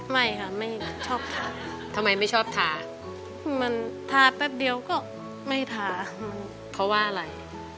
ไม่ค่ะไม่ชอบทาทำไมไม่ชอบทามันทาแป๊บเดียวก็ไม่ทามันเพราะว่าอะไร